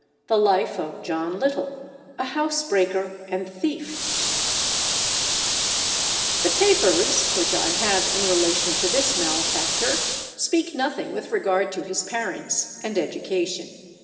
The Life of JOHN LITTLE, a Housebreaker and Thief The papers which I have in relation to this malefactor speak nothing with regard to his parents and education.